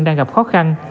đang gặp khó khăn